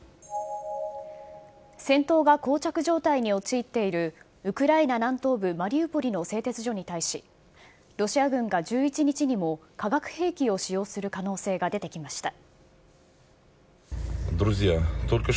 戦闘がこう着状態に陥っているウクライナ南東部マリウポリの製鉄所に対し、ロシア軍が１１日にも、化学兵器を使用する可能性が出てきました。